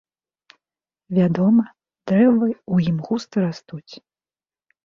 Вядома, дрэвы ў ім густа растуць.